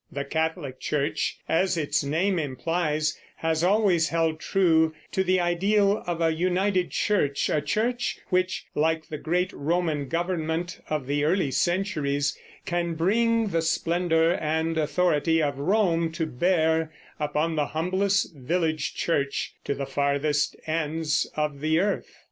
The Catholic church, as its name implies, has always held true to the ideal of a united church, a church which, like the great Roman government of the early centuries, can bring the splendor and authority of Rome to bear upon the humblest village church to the farthest ends of the earth.